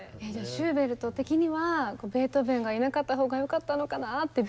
シューベルト的にはベートーベンがいなかった方がよかったのかなって。